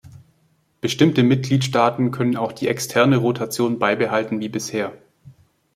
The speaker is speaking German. Bestimmte Mitgliedstaaten können auch die externe Rotation beibehalten wie bisher.